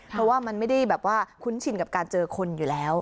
เพราะว่ามันไม่ได้แบบว่าคุ้นชินกับการเจอคนอยู่แล้ว